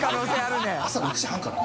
朝６時半から？